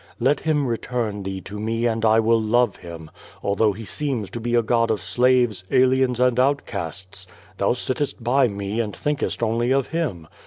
Let Ilim return thee to me and 1 will love Him, although he seems to be a God of slaves, aliens and outcasts. Thou sittest by me, and thinkest only of Him.